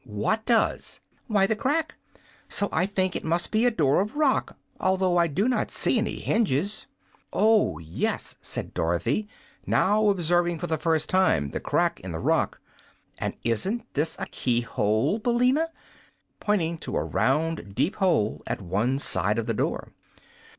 "What does?" "Why, the crack. So I think it must be a door of rock, although I do not see any hinges." "Oh, yes," said Dorothy, now observing for the first time the crack in the rock. "And isn't this a key hole, Billina?" pointing to a round, deep hole at one side of the door.